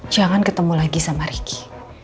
jangan ketemu lagi sama ricky